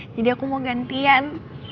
jadi aku mau gantian